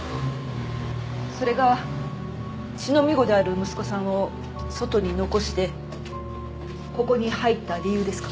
それが乳飲み子である息子さんを外に残してここに入った理由ですか？